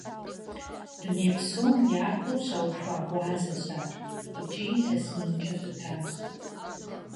Дуней псом япэу щаухуа гъуазэщ ар икӀи илъэс минкӀэ щытащ.